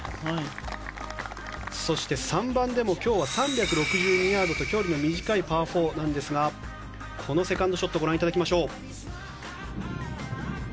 そして３番でも今日は３６２ヤードと距離の短いパー４ですがこのセカンドショットをご覧いただきましょう。